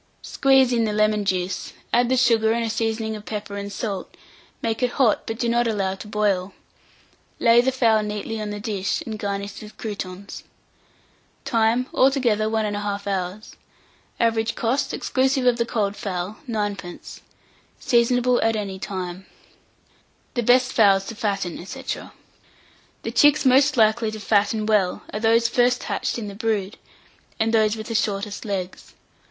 Squeeze in the lemon juice, add the sugar and a seasoning of pepper and salt, make it hot, but do not allow it to boil; lay the fowl neatly on the dish, and garnish with croûtons. Time. Altogether 1 1/2 hour. Average cost, exclusive of the cold fowl, 9d. Seasonable at any time. THE BEST FOWLS TO FATTEN, &c. The chicks most likely to fatten well are those first hatched in the brood, and those with the shortest legs.